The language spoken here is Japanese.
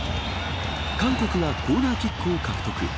韓国がコーナーキックを獲得。